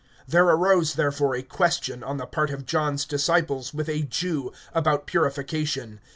(25)There arose therefore a question, on the part of John's disciples with a Jew, about purification.